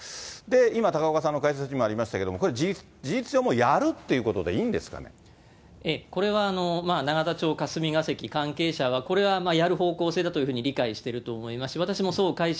今、高岡さんの解説にもありましたけど、これ、事実上、これは永田町、霞ケ関関係者は、これはやる方向性だというふうに理解していると思います。